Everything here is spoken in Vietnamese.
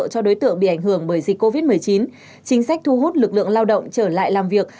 cho đối tượng bị ảnh hưởng bởi dịch covid một mươi chín chính sách thu hút lực lượng lao động trở lại làm việc